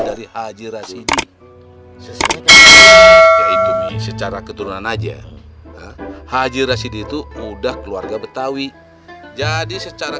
dari haji rasidi yaitu secara keturunan aja haji rasidi itu mudah keluarga betawi jadi secara